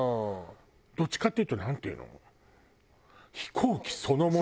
どっちかっていうとなんていうの。